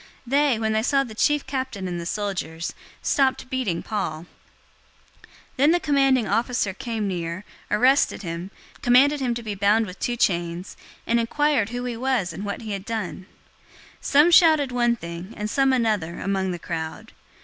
They, when they saw the chief captain and the soldiers, stopped beating Paul. 021:033 Then the commanding officer came near, arrested him, commanded him to be bound with two chains, and inquired who he was and what he had done. 021:034 Some shouted one thing, and some another, among the crowd.